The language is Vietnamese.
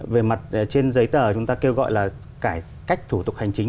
về mặt trên giấy tờ chúng ta kêu gọi là cải cách thủ tục hành chính